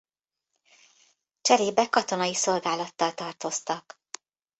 Cserébe katonai szolgálattal tartoztak.